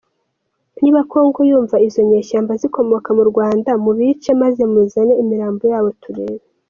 Niba Congo yumva izo nyeshyamba zikomoka mu Rwanda, mubice maze muzane imirambo yabo turebe.